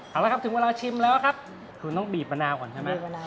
เอาละครับถึงเวลาชิมแล้วครับคุณต้องบีบมะนาวก่อนใช่ไหม